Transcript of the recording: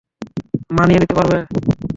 মানিয়ে নিতে পারবে।